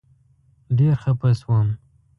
ډېر خپه شوم.